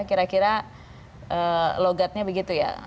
kira kira logatnya begitu ya